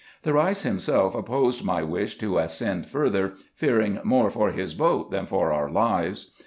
The Eeis himself op posed my wish to ascend higher, fearing more for his boat than for our lives.